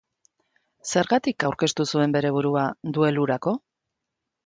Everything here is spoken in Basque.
Zergatik aurkeztu zuen bere burua duelurako?